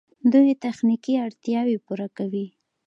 دوی تخنیکي اړتیاوې پوره کوي.